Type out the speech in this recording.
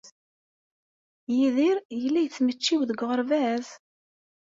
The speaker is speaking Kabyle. Yidir yella yettmecčiw deg uɣerbaz?